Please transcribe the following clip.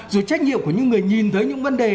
rồi trách nhiệm của những người nhìn thấy những vấn đề